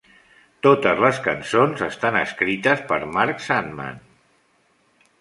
Totes les cançons estan escrites per Mark Sandman.